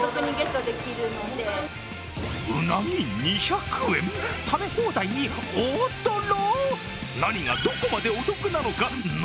うなぎ２００円、食べ放題に大トロ！